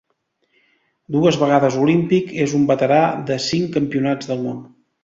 Dues vegades olímpic, és un veterà de cinc campionats del món.